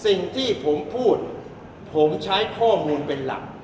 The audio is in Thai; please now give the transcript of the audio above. สิ่งที่ผมพูดผมใช้ข้อมูลเป็นหลัก